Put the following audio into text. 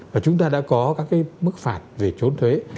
và chúng ta đã có các cái mức phạt về trốn thuế